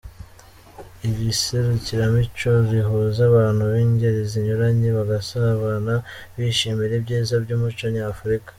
Iri serukiramuco rihuza abantu b'ingeri zinyuranye bagasabana bishimira ibyiza by'umuco nyafurika.